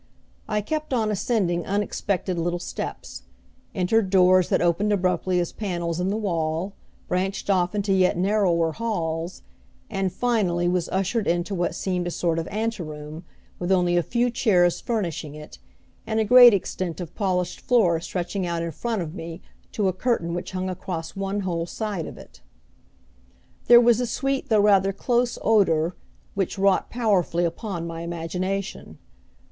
I kept on ascending unexpected little steps; entered doors that opened abruptly as panels in the wall, branched off into yet narrower halls, and finally was ushered into what seemed a sort of anteroom, with only a few chairs furnishing it, and a great extent of polished floor stretching out in front of me to a curtain which hung across one whole side of it. There was a sweet though rather close odor, which wrought powerfully upon my imagination.